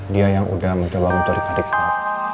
dia yang udah mencoba mencuri adikku